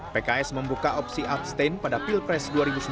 pks membuka opsi abstain pada pilpres dua ribu sembilan belas